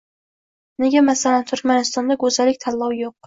Nega, masalan, Turkmanistonda go'zallik tanlovi yo'q?